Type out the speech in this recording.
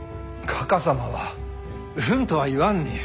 かか様は「うん」とは言わんに。